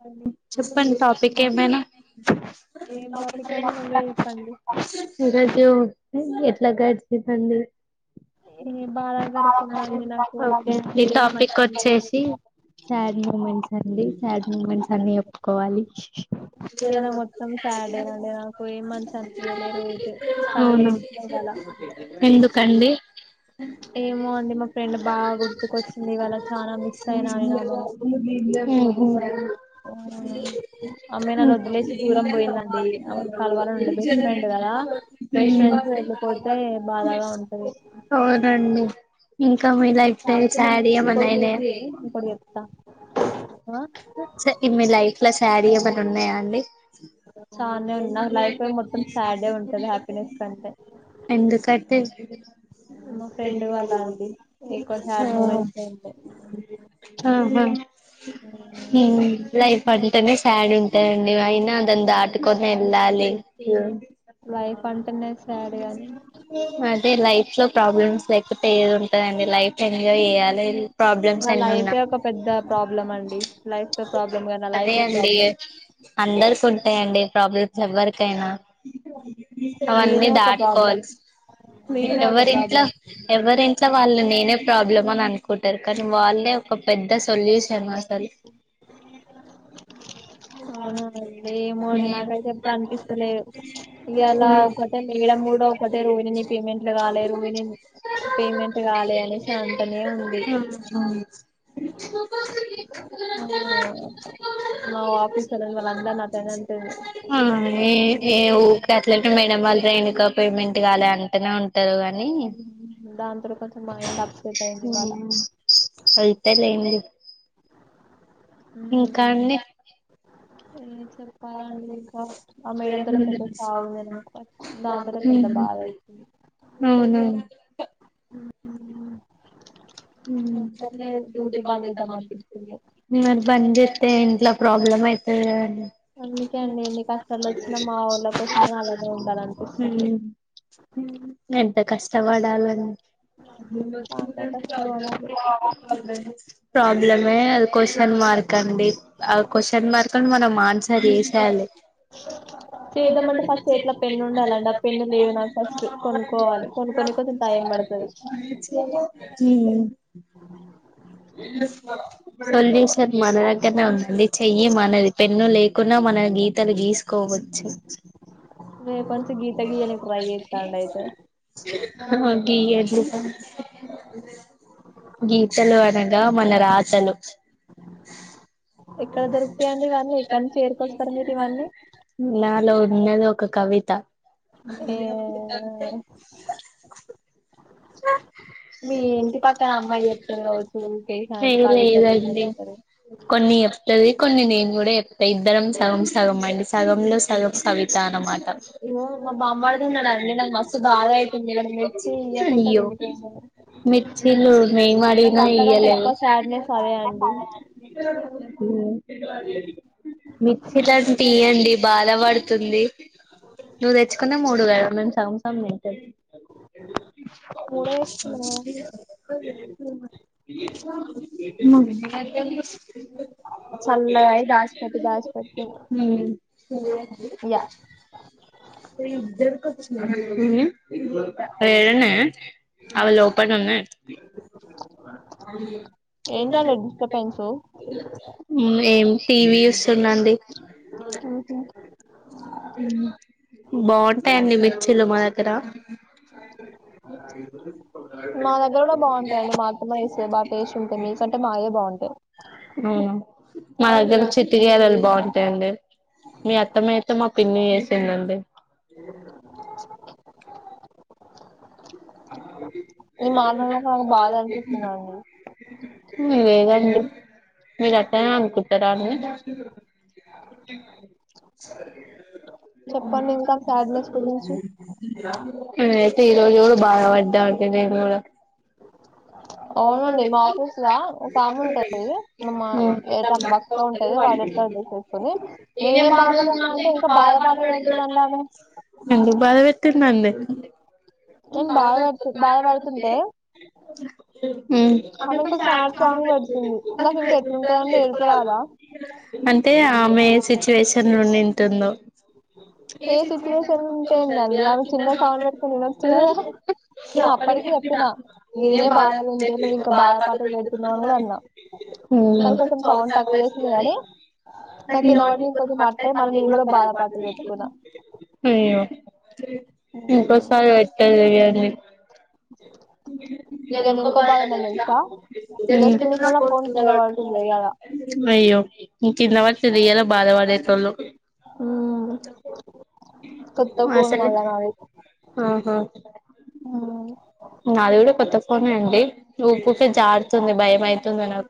చెప్పండి చెప్పండి టాపిక్ ఏమైనా ఏం టాపిక్ అండి నువ్వే చెప్పండి ఈరోజూ ఎట్లా గడిచిందండీ ఈ బాగా గడిసిందండి నాకు ఈ తెలియదు టాపిక్ మొత్తానికి తెలిదు వచ్చేసి సాడ్ మూమెంట్స్ అండి సాడ్ మంచిఅన్ని చేప్పుకోవాలి ఇయాల మొత్తం [unintelligible] నేను సాన ఏడ్చిన ఇవాళ ఎందుకండి ఏమో అండి మా ఫ్రెండ్ బాగా గుర్తుకొచ్చింది ఇవాళ చాలా మిస్ అయినా ఆమెని ఆమెని ఆ, ఉహు ఆమె నన్ను వదిలేసి దూరం పోయిందండి ఆమెను హ్ కలవాలని ఉండే బెస్ట్ ఫ్రెండ్ కదా బెస్ట్ ఫ్రెండ్స్ [unintelligible] వెళ్ళిపోతే బాధాగా ఉంటది అవునండి ఇంకా మీ లైఫ్ లో కాకపోతే నీ- సాడ్ యీ ఏమన్నా నీకోటి గుర్తు అయినయా చెయ్యి నీకోటి చెప్తా ఆ సే మీ లైఫ్ లో సాడ్ యీ ఏమన్నా ఉన్నాయా అండి చాలానే ఉన్నా మీ లైఫ్ లో మొత్తం ఏమైనా సాడే సాడ్ ఉంటది హ్యాపీనెస్ యీ కంటే ఎందుకంటె మా ఫ్రెండ్ వాళ్ళ ఆంటీ ఎక్కువ సాడ్ మూమెంట్స్ ఉంటాయి ఆ ఆహా లైఫ్ అంటనే సాడ్ ఉంటదండి అయినా దాన్ దాటుకొని వెళ్ళాలి యా లైఫ్ అంటనే అదే లైఫ్ లో ప్రాబ్లమ్స్ లేకపోతే ఏదుంటదండి లైఫ్ ఎంజాయ్ చేయాలి ప్రాబ్లమ్స్ నా ఎన్ని ఉన్నా లైఫే ఒక పెద్ద ప్రాబ్లం అండి లైఫ్ తో ప్రాబ్లం కాద్ నా లైఫ్ తే అండి అందరికుంటాయండి ప్రాబ్లమ్స్ ఎవ్వరికైనా అవన్నీ నేనే ఒక ప్రాబ్లం దాటుకోవాల్సి నేనే ఒక ఎవరింట్లో ప్రాబ్లం ఎవరింట్లో వాళ్ళు నేనే ప్రాబ్లం అని అనుకుంటారు కానీ వాళ్ళే ఒక పెద్ద సొల్యూషన్ అసల్ అవునా ఏమో అండి నాకైతే ఎప్పుడు అనిపిస్తలేదు ఇయ్యాలా ఒక అ మేడం కూడా ఒకటే రుహిణిని పేమెంట్లు కాలేదు రుహిణిని పేమెంట్ కాలే అనేసి అంటనే ఉంది [unintelligible] ఆమ్ మా ఆఫీసరు వాళ్ళ అందర్ని అట్టగే అంటాడు ఆ ఏ ఊ అట్లంటే మేడం వాళ్ళు దేనికో పేమెంట్ కాలే అంటేనే ఉంటు ఉమ్ దాంతోనే కొంచెం మైండ్ అప్సెట్ అయ్యింది ఇవాళ అయితేలే ఏమి లే ఇంకా అండి ఏం చెప్పాలండి ఇంకా ఆ మేడం పెద్ద సాగు దాంతోనే పెద్ద బాధ అయితది అవునా అట్లే డ్యూటీ బంద్ చేద్దాం అనిపిస్తుంది ఉమ్ బంద్ చే ఏ ఇంట్లో ప్రాబ్లమ్ అయితే అందుకే అండి ఎన్ని కష్టాలు వచ్చినా మా వాళ్ళ కోసమని అలానే ఉండాలనిపిస్తుంది ఉమ్ ఎంత కష్టపడాలండి చాలానే కష్టపడాలి ప్రాబ్లమే అది కొషన్ మార్క్ అండి ఆ కొషన్ మార్క్ ని మనం ఆన్సర్ తీసేయాలి ప్లేట్ చేద్దామంటే ఫస్ట్ చేతిలో పెన్ను ఉండాలండి ఆ పెన్ను లేదు నాకు ఫస్ట్ కొనుక్కోవాలి కొనుక్కొని కొంచెం టైం పడుతది అన్నాడు [unintelligible] ఉమ్ సొల్యూషన్ మన దగ్గరనే ఉందండి చెయ్యి మనది పెన్ను లేకున్నా మన మన గీతలు గీసుకోవచ్చు రేపు అంత గీత గీయనికి ట్రై చేస్తా ఉండు అయితే గీ గీతలు అద దా మన రాతలు ఎక్కడ దొరుకుతాయండి ఇవన్నీ ఎక్కడ నుంచి ఏరుకొస్తారు మీరు ఇవన్నీ నాలో ఉన్నది ఒక కవిత ఏ మీ ఇంటి పక్కన అమ్మాయి చెప్తది కావచ్చు ఊకే ఇట్లాంటి ఏం కవితలు చేయడండి మీరిద్దరు కొన్ని ఇస్తది కొన్ని నేను కూడా చెప్తా ఇద్దరం సగం సగం అండి సగంలో సగం కవిత అన్నమాట ఇ ఇగో మా ఇ బామ్మర్ది ఉన్నాడండి నాకు పండు బస్సు మస్తు బాధ కాాలగాయ అయితుంది వాడు మిర్చి బధద ఇయ్యకుంట అయ్యో తింటుండు మిర్చిలు మేము నాకు అడిగిన అంతకంటే ఇయ్యలేదు ఎక్కువ సాడ్నెస్ అదే అమ్ అండి మిర్చి జరఅంట ఇయ్యిండి బాధ పడుతుంది నువ్వు తెచ్చుకునే మూడు వేళలో సగం సగం చేసేయి మూడే వేసుకున్నా మ చల్లగా అయి దాచిపెట్టి దాచిపెట్టి ఉమ్ యా త ఇద్దరు కుప్పు సడియా ఏడన్నా అవి లోపల ఉన్నాయి ఏంటండి డిస్టర్బెన్స్ ఏం టీవీ చూస్తున్నాండి ఉహుమ్ బాగుంటాయండి మిర్చిలు మా దగ్గర మా దగ్గర కూడా బాగుంటాయి అండి మా అత్తమ వేస్తే బా టేస్ట్ ఉంటాయి మీకంటే మా అయే బాగుంటాయి అవును మా దగ్గర చిట్టి గారెలు బాగుంటాయిడి మీ అత్తమ మొత్తం మా పిన్ని చేసిందండి ఏ ఈ మన మాట్లాడక నాకు కా బాధ అనిపిస్తుందండి మివేఅండి మీరు అత్తయ్య అనుకుంటారా ఆమెని సరే చెప్పండి ఇంకా సాడ్నెస్ గురించి ఆమ్ ఈరోజు బాధ పడ్డ నేను కూడా అవునండి బాగుంది మా ఆఫీస్ లా ఒక ఆమె ఉంటది మా తన బక్క ఉంటది [unintelligible] వైలెట్ కలర్ డ్రెస్ వేసుకొని నినేం నేనే మాటలు బాధలో ఉన్నా మాట్లాడితే అంటే ఇంకా బాధ పాటలు పెడుతదండి ఆమె [unintelligible] బాగా పడుతున్నాడు లే నేను బాగా పడుతు బాగా పడుతుంటాన మ్మ్ పెడుతుంది నాకు ఇంకా ఎట్లుంటదండి ఏడుపు రాదా అంటే ఆమె సిచ్యువేషన్ ఉండింటుందో ఏ సిచ్యువేషన్ ఉంటే ఏందండి ఆమె ఉందండిింద చిన్న సౌండ్ పెట్టుకొని వినొచ్చు కదా [unintelligible] సో నేను అక్కడున అప్పటికి ఇక్కడ చెప్పిన [unintelligible] నేనే బాధలు ఉంటే నువ్వు ఇంకా బాధ పాటలు పెడుతున్నావు అని కూడా అన్నా ఉమ్ కానీ కొంచెం సౌండ్ తక్కువ వేసింది గానీ నాకు ఇనపడి కొంచెం అట్టాయి మళ్ళీ మర్చిపొయి నేను కూడా బాధ బాగ [unintelligible] పాటలు పెట్టుకున్నా మ్మ్ ఉమ్ ఇంకొసారి వస్తావు కదా ఏ ఇవాళ ఇంకో బాధ ఏమైనా తెలుసా జస్ట్ మిస్ లో నా ఫోన్ కింద పడుతుంది ఇవాళ మ్మ్ అయ్యో కింద పడితె లెయ్ అని బాధ పడేటొల్లు మ్మ్ కొత్త ఫోన్ అసలు కొన మానలి ఆహా నాది కూడా కొత్త ఫోనే అండి ఊకూకే జారుతుంది భయమే నేన్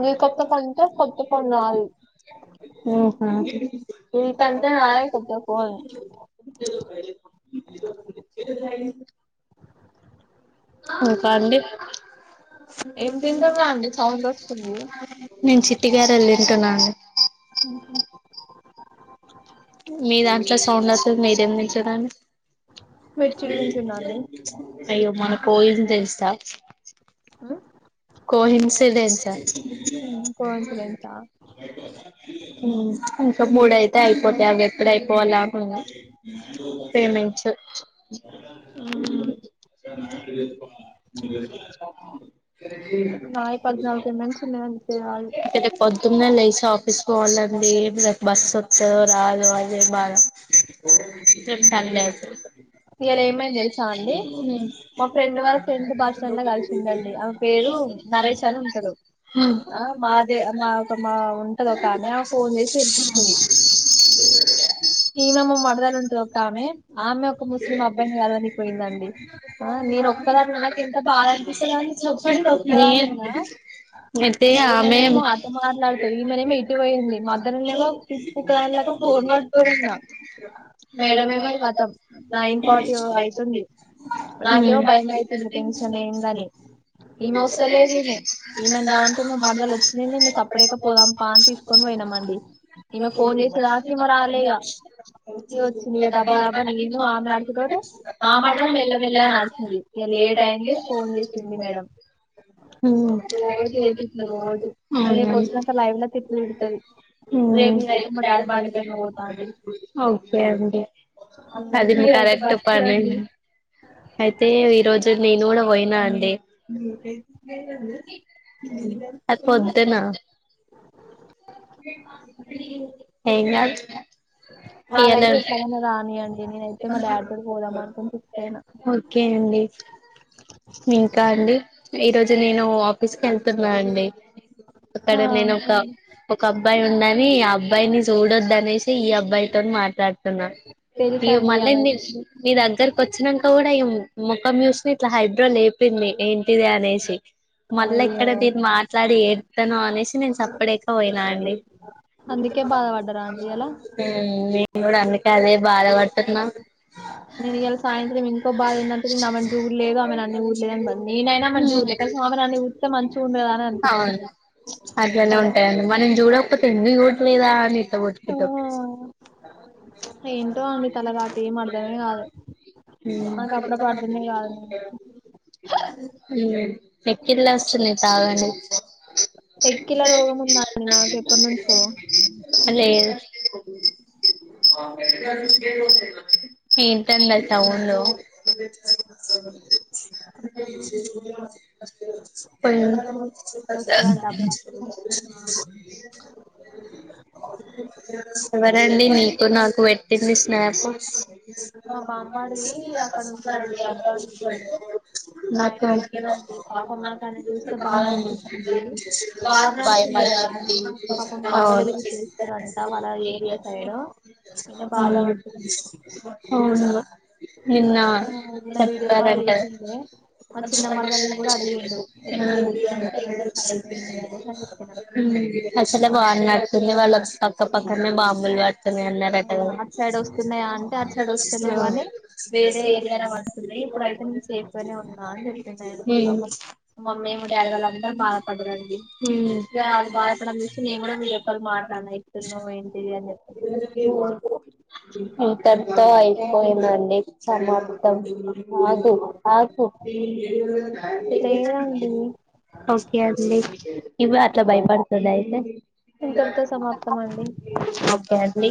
నీ ఫోన్ తో కొత్త ఫోన్ కావాలి నాది ఉహ నీకంటే నాదే కొత్త ఫోన్ [unintelligible] ఇంకా అండి ఏం తింటున్నా అండి సౌండ్ వస్తుంది నేను చిట్టి గారెలు తింటున్నాను మ్మ్ హ్మ్ మీ దాంట్లో సౌండ్ వస్తుంది మీరేం తింటున్నారండి మిర్చిలు తింటున్నా అండి అయ్యో మాన్న పొయింది తెలుసా కో ఇన్సిడెంట్స్ ఆ కోఇన్సిడెన్స్ ఆ మ్మ్ ఓక మూడు అయితే అయిపోతాయి అన్నట్టుగా అయిపోవాల్ల అని ఉన్నా పేమెంట్స్ [unintelligible] నాయి పద్నాలుగు పేమెంట్స్ ఉన్నాయని చేయాలి ఇక్కడ పొద్దున్నే లేస్ ఆఫీస్ పోవాలండి బస్ వస్తాదొ రాదొ అదే బాధ ఏమ్ పని లేదు ఏమ్ ఇయాల ఏమ్ ఏమైంది తెలుసా అండి చేసావండి మా ఫ్రెండ్ వాళ్ళ ఫ్రెండ్ భాషణంలో కలిసిందండి ఆమె ఏదొ పేరు ఒకటి నరేష్ పాయసం అని ఉంటాడు గారెలు ఆ [unintelligible] మాదే మా ఒక మా అడ ఉంటది ఒక ఆమె ఆమె ఫోన్ చేసి ఇడిచి వస్తుంది పిలిపించింది అండి ఈమె నమ మా వ మరదలు ఉంటది ఒక వస్తధ్ర ఆమె ఆమె ఒక ముస్లిం ము అబ్బాయిని కలవనికి పోయిందండి ఆ నేను అ [unintelligible] ఒక్కదాన్ని ఉన్నా నాకు ఎంత బాధ అనిపిస్తదండి చెప్పండి నేను ఒక్కదాన్ని ఏమ్ ఉన్నా అయితే ఆమెన్ ఈమెనేమో అటు మాట్లాడుతది ఈమెనేమో ఇటు పోయింది మధ్యలోనేమో పిచ్చిదానిలెక్క ఫోన్ పట్టుకొని ఉన్న [unintelligible] మేడం ఫో మేడమేమో కతం [unintelligible] నైన్ ర్ట్ ఫార్టీ సిక్స్ అవుతుంది అయితుంది మార్నింగ్ నాకేమో ఫైవ్ భయం అయితుంది అవుతాది టెన్షన్ [unintelligible] ఏందని ఈమె వస్తలేదు ఇనోస్తలేదు ఈమె ఈమెను రా అంటే మా మరదలు వచ్చింది నేను సప్పుడేక పోదాం పా అని తీసుకొని పోయినామండి ఇక ఈమె ఫోన్ చేసేదాకా తీస్తాడని ఈమె చూడాలి రాలే ఈగ ఇగ [unintelligible] ఇగ వెళ్ల వచ్చింది ఇగ దబ్బా వెళ్ళ దబ్బా నేను ఆమె నడిచేతోటే మా మరదలు మెల్లమెల్లగా నడిచింది ఇగ లేట్ అయింది ఫోన్ చేసింది మేడం మ్మ్ రోజు ఇదే తిట్లు రోజు రేపు వచ్చాక లైవ్ లో తిట్లు తిడుతది మ్మ్ రేపు సిక్స్ నేనైతే అయింది మా డాడి డాడీ బండి దగ్గర పైన పోత పోతా అంది అండి ఓకే అండి మీరైతే బస్కి రండి అయితే ఈ రోజు నేను కూడా పోయిన అండి అంతేనా వాళ్ళైతే ఎట్లాగైనా రాని అండి నేనైతే మా డాడీ కాడికీ పోదాం అనుకుని ఫిక్సయిన ఓకే అండి ఇంకా అండి ఈరోజు నేను ఆఫీస్ కి వెళ్తున్నా అండి అక్కడ ఆ నేను ఒక ఒక అబ్బాయి ఉన్నాడని ఆ అబ్బాయిని చూడొద్దు అనేసి ఈ అబ్బాయి మాట్లాడుతున్నా మీరు తెలుసండి మళ్ళ ఆమెది మీ దగ్గరకు వచ్చినంక కూడా మొఖం చూసి ఇట్లా హైబ్రో లేపింది ఏంటిది అనేసి మళ్ళా అయ్యో ఎక్కడ నేను మాట్లాడి ఏడ్తనో అనేసి నేను సప్పుడేక పోయినా అండి అందుకే బాధపడ్డరా అండి ఇయ్యాల నేను కూడా అందుకే అదే బాధ పడుతున్నా నేను ఇవాళ సాయంత్రం ఇంకో బాధ ఏందంటే ఆమెని రూల్ లేదు ఆమెని అన్ని రూల్స్ లేదనింది నేనైనా ఆమెని కనీసం నన్ను చూస్తే మంచిగా ఉండు కదా అని అనిపిస్తది అవును అట్లనే ఉంటాయండి మనం చూడకపోతే ఎందుకు చూడలేదా అని ఇట్లా కొట్టుతాడు [unintelligible] ఏంటో అండి తలరాత ఏం అర్ధమే కాదు నాకు అప్పుడప్పుడు అర్థమే కాదు మ్మ్ ఎక్కిళ్ళు వస్తున్నాయి తాగండి ఎక్కిళ్ల రోగం ఉందండి నాకు ఎప్పటి నుంచో ఏంటండిఆ సౌండ్ [inaudible] పోయి [inaudible] వస్తదండి అప్పుడప్పుడు ఎవరండి చెప్పండి నీకు నాకు పెట్టింది స్నాప్స్ [inaudible] మా బామ్మడిది అక్కడ ఉంటదండి అబ్రాడ్ ఉంటడు ఆయన నాకు పెట్టిండండి పాపం నాకు ఆయన చూస్తే బాధ అనిపించింది వార్ మ్ బాయ్ నడిచింది బాయ్ కదా అండి పాపం అవును బాంబులు గిట్ల ఏస్తురంట వాళ్ళ ఏరియా సైడ్ ఈయన బాధపడుతుంది అవును నిన్న ఆ నిన్న వీడియో కాల్ చెప్పారంట చేసిండే మా చిన్న మరదల్ని కూడా అడిగిండు ఎట్లుంది అంటే ఎగ్జామ్స్ అయిపోయినయి అనేసి అని చెప్పిన అట్లనే అవునా బాగున్నట్టుంది వాళ్ళకు అక్క పక్కనే బాంబు లు పడుతున్నాయ్ ఆ అన్నడండి అటు సైడ్ వస్తున్నాయా అంటే అటు సైడ్ వస్తలేవని వేరే ఏరియాలో పడుతుంది ఇప్పుడు అయితే ఇంట్లనే ఉన్న అని చెప్పిండు ఆయన పాపం మమ్మీ మా డాడీ వాళ్ళందరు బాధపడ్డరండి ఇగా అది బాధపడడం చూసి నేను కూడా వీడియో కాల్ మాట్లా డుతున్నవేంటిది అని చెప్పి ఇంతటితో అయి పోయిందడి సమాప్తం కాదు కాదు లేదండి ఓకే అండి ఇవాల తే భయ పడతదా అయితే ఇంతటితో సమాప్తం అండి ఓకే అండి